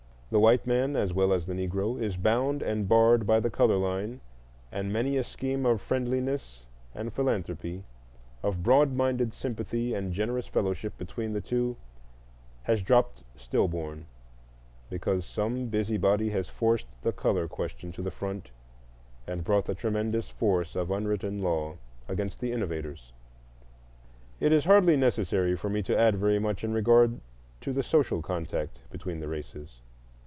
The white man, as well as the Negro, is bound and barred by the color line, and many a scheme of friendliness and philanthropy, of broad minded sympathy and generous fellowship between the two has dropped still born because some busybody has forced the color question to the front and brought the tremendous force of unwritten law against the innovators. It is hardly necessary for me to add very much in regard to the social contact between the races.